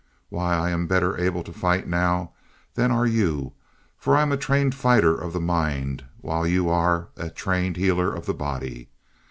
Why, I am better able to fight now than are you, for I am a trained fighter of the mind, while you are a trained healer of the body.